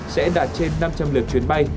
sẽ đạt trên năm trăm linh lượt chuyến bay